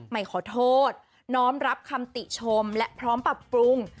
ใหม่ขอโทษน้อมรับคำติชมและพร้อมปรับปรุง